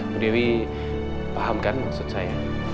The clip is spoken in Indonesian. bu dewi paham kan maksud saya